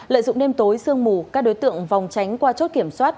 lợi dụng đêm tối sương mù các đối tượng vòng tránh qua chốt kiểm soát